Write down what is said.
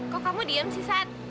kok kamu diem sih sat